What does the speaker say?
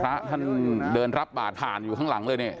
พระท่านเดินรับบาทผ่านอยู่ข้างหลังเลยเนี่ย